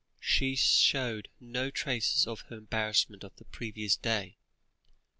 She showed no traces of her embarrassment of the previous day.